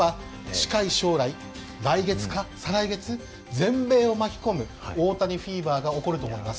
全米を巻き込む大谷フィーバーが起こると思います。